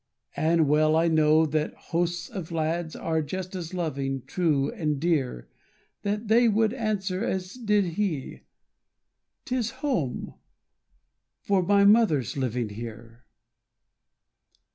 And well I know that hosts of lads Are just as loving, true, and dear, That they would answer as did he, "Tis home, for mother's living here."